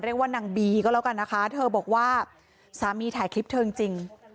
เรียกว่านางบีก็แล้วกันนะคะเธอบอกว่าสามีถ่ายคลิปเธอจริง